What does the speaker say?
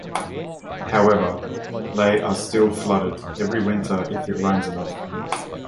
However, they are still flooded every winter if it rains enough.